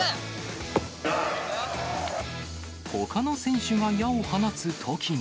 ほかの選手が矢を放つときも。